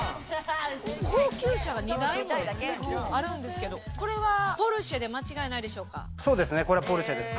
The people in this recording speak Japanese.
高級車が２台もあるんですけど、これはポルシェで間違いないでしょうか？